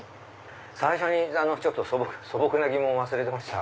最初に素朴な疑問を忘れてました。